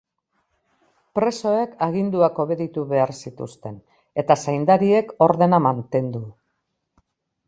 Presoek aginduak obeditu behar zituzten, eta zaindariek ordena mantendu.